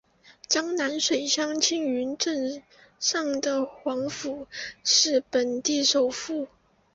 江南水乡青云镇上的黄府是本地首富。